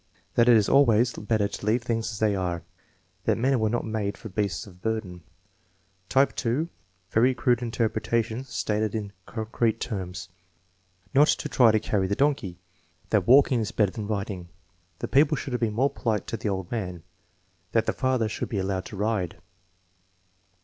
"That it is always better to leave things as they are." "That men were not made for beasts of burden." Type (), very crude interpretations stated in concrete terms: "Not to try to carry the donkey." "That walking is better than riding." "The people should have been more polite to the old man." "That the father should be allowed to ride."